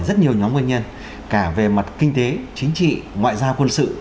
rất nhiều nhóm nguyên nhân cả về mặt kinh tế chính trị ngoại giao quân sự